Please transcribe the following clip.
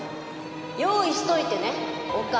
用意しといてねお金。